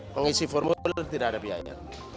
pengisi formulir tidak ada biaya